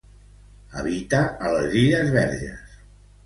Habita a les illes Verges.